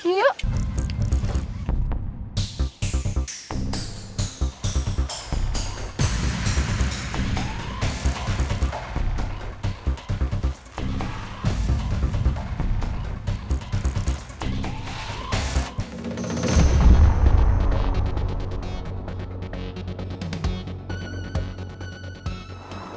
sampai ketemu di siang